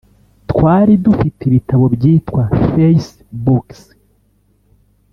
”twari dufite ibitabo byitwa Face Books